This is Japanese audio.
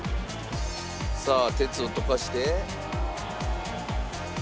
さあ鉄を溶かして。